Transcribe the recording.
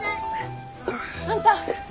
あんた！